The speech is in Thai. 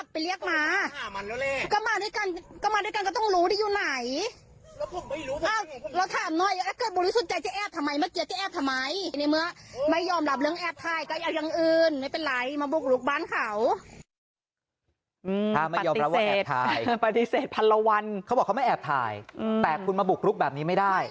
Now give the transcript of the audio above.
ถ้าปฏิเสธถ่ายปฏิเสธพันละวันเขาบอกเขาไม่แอบถ่ายแต่คุณมาบุกลุกแบบนี้ไม่ได้